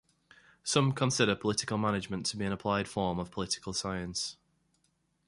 Some consider political management to be an applied form of political science.